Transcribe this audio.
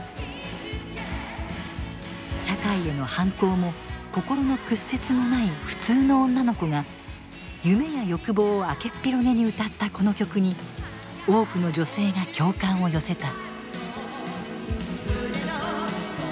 社会への反抗も心の屈折もない普通の女の子が夢や欲望を開けっ広げに歌ったこの曲に多くの女性が共感を寄せた。